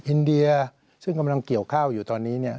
อินเดียซึ่งกำลังเกี่ยวข้าวอยู่ตอนนี้เนี่ย